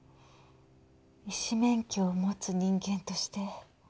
「医師免許を持つ人間として」